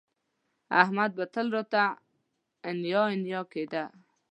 احمد به تل راته انیا انیا کېده